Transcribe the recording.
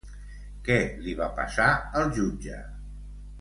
Què li va passar al jutge?